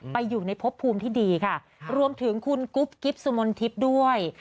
ไปอยู่ในพบภูมิที่ดีค่ะรวมถึงคุณกุ๊บกิ๊บสุมนทิพย์ด้วย